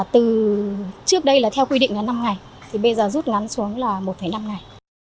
từ trước đây là theo quy định là năm ngày thì bây giờ rút ngắn xuống là một năm ngày